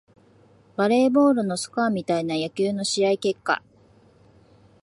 バレーボールのスコアみたいな野球の試合結果